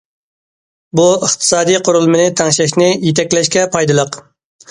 بۇ، ئىقتىسادىي قۇرۇلمىنى تەڭشەشنى يېتەكلەشكە پايدىلىق.